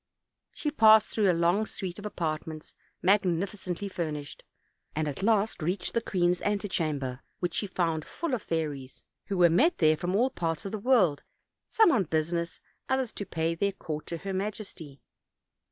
She passed through a long suite of apartments magnificently furnished, and at last reached the queen's antechamber, which she found full of fairies, who were met there from all parts of the world, some on business, others to pay their court to her majesty.